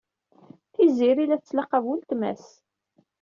Tiziri la tettlaqab weltma-s.